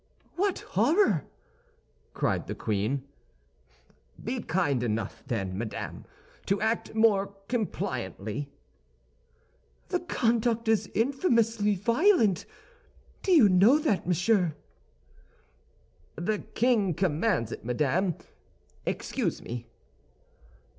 "What horror!" cried the queen. "Be kind enough, then, madame, to act more compliantly." "The conduct is infamously violent! Do you know that, monsieur?" "The king commands it, madame; excuse me."